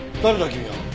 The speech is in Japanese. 君は。